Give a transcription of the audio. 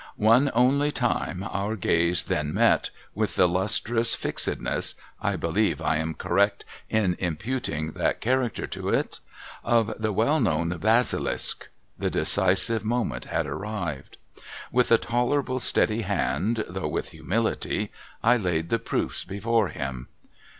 One only time our gaze then met, with the lustrous fixedness (I believe I am correct in imputing that character to it ?) of the well known BasiUsk. The decisive moment had arrived. With a tolerable steady hand, though with humility, I laid The Proofs before him.